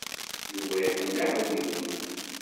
Yuba iḥemmel iɛudiwen.